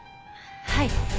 はい。